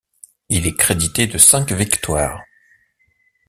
Il est crédité de cinq victoires.